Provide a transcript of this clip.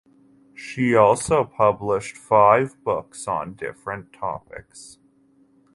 She also published five books on different topics.